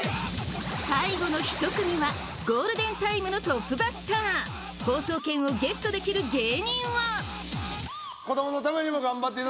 最後の１組はゴールデンタイムのトップバッター放送権をゲットできる芸人はははははっ